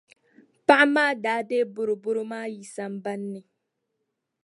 Paɣa maa daa deei boroboro maa yi sambani ni.